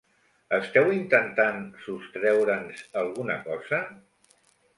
Esteu intentant sostreure'ns alguna cosa?